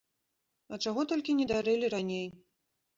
А чаго толькі не дарылі раней!